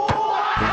あ！